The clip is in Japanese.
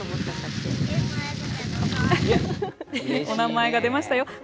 お名前が出ましたよ。